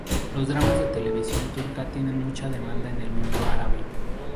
Los dramas de televisión turca tienen mucha demanda en el mundo árabe.